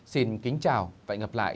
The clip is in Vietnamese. xin kính chào và hẹn gặp lại